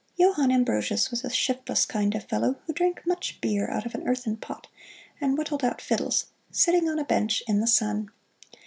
Johann Ambrosius was a shiftless kind of fellow who drank much beer out of an earthen pot, and whittled out fiddles, sitting on a bench in the sun.